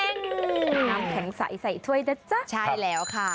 น้ำแข็งใสใส่ถ้วยนะจ๊ะใช่แล้วค่ะ